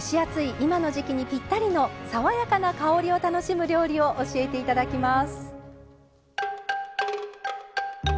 今の時季にぴったりの爽やかな香りを楽しむ料理を教えていただきます。